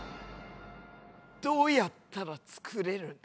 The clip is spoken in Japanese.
どうやったら作れるんだ？